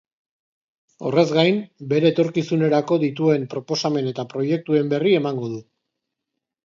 Horrez gain, bere etorkizunerako dituen proposamen eta proiektuen berri emango du.